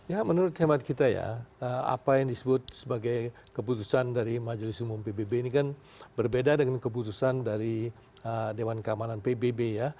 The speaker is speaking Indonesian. ya menurut hemat kita ya apa yang disebut sebagai keputusan dari majelis umum pbb ini kan berbeda dengan keputusan dari dewan keamanan pbb ya